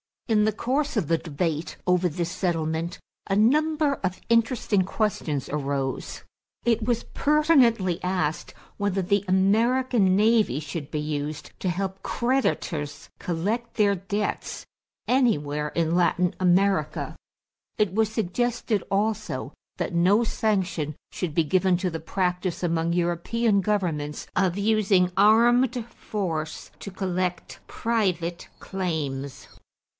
In the course of the debate over this settlement, a number of interesting questions arose. It was pertinently asked whether the American navy should be used to help creditors collect their debts anywhere in Latin America. It was suggested also that no sanction should be given to the practice among European governments of using armed force to collect private claims.